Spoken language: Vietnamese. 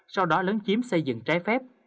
sau đó lớn chiếm xây dựng trái phép